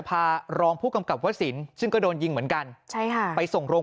พารองผู้กำกับวศิลป์ซึ่งก็โดนยิงเหมือนกันไปส่งโรง